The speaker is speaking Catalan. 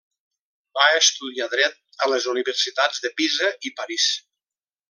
Va estudiar Dret a les Universitats de Pisa i París.